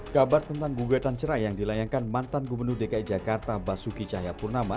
kabar tentang bungkatan cerai yang dilayangkan mantan gubernur dki jakarta basuki cahaya purnama